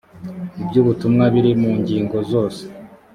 iby ubutumwa biri mu ngingo zose